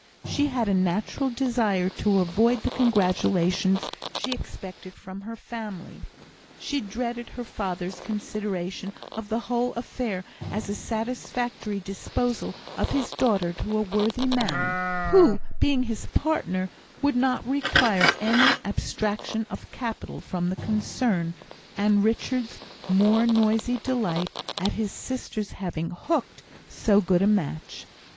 She had a natural desire to avoid the congratulations she expected from her family. She dreaded her father's consideration of the whole affair as a satisfactory disposal of his daughter to a worthy man, who, being his partner, would not require any abstraction of capital from the concern, and Richard's more noisy delight at his sister's having "hooked" so good a match.